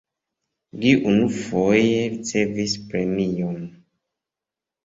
Li unufoje ricevis premion.